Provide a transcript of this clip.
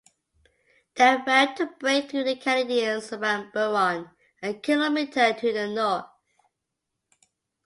They failed to break through the Canadians around Buron, a kilometer to the north.